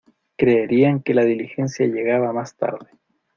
Creerían que la diligencia llegaba más tarde.